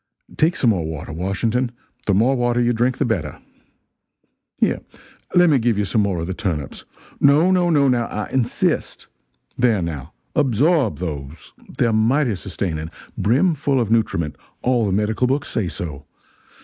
Take some more water, Washington the more water you drink, the better. Here, let me give you some more of the turnips. No, no, no, now, I insist. There, now. Absorb those. They're, mighty sustaining brim full of nutriment all the medical books say so.